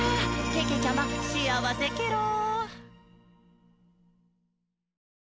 けけちゃま、しあわせケロ！」